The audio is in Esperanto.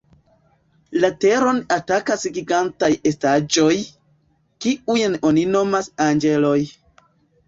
La Teron atakas gigantaj estaĵoj, kiujn oni nomas "Anĝeloj".